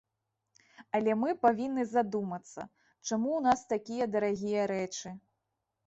Але мы павінны задумацца, чаму ў нас такія дарагія рэчы.